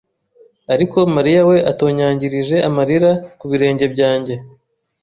ariko Mariya we atonyangirije amarira ku birenge byanjye